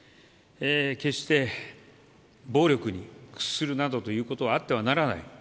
決して暴力に屈するなどということがあってはならない。